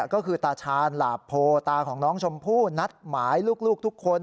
ก็คือตาชาญหลาโพตาของน้องชมพู่นัดหมายลูกทุกคน